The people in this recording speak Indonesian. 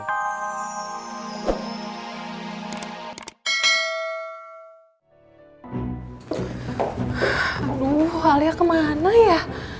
aduh alia kemana ya